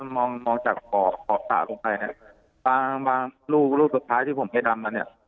มองจากขอบสระลงไปเนี้ยบางบางรูปรูปสุดท้ายที่ผมให้ดำมาเนี้ย